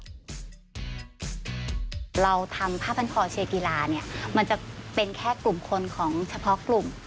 เราทำผ้าพันคอเชียกีฬาเนี่ยมันจะเป็นแค่กลุ่มคนของเฉพาะกลุ่ม